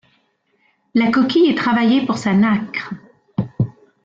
La coquille est travaillée pour sa nacre.